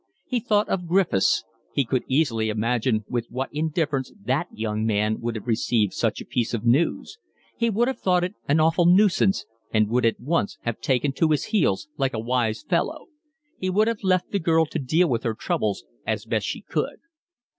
He thought of Griffiths; he could easily imagine with what indifference that young man would have received such a piece of news; he would have thought it an awful nuisance and would at once have taken to his heels, like a wise fellow; he would have left the girl to deal with her troubles as best she could.